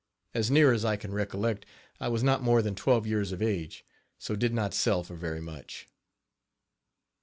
As near as I can recollect, I was not more than twelve years of age, so did not sell for very much.